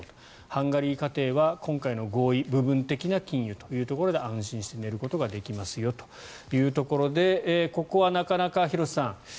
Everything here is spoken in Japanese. ハンガリー家庭は、今回の合意部分的な禁輸というところで安心して寝ることができますよというところでここはなかなか廣瀬さん